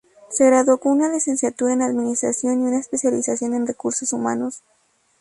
Se graduó con una licenciatura en administración y una especialización en recursos humanos.